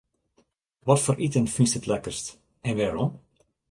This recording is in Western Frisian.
Watfoar iten fynst it lekkerst en wêrom?